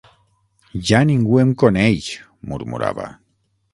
-Ja ningú em coneix!- murmurava